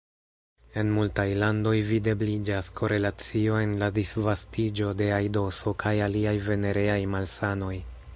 En multaj landoj videbliĝas korelacio en la disvastiĝo de aidoso kaj aliaj venereaj malsanoj.